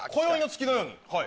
はい。